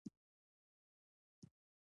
افغان ځواک به له هلمند راپوری وځي.